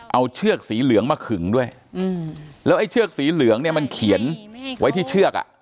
เอาเชือกสีเหลืองมาขึงด้วยแล้วไอ้เชือกสีเหลืองเนี่ยมันเขียนไว้ที่เชือกอ่ะ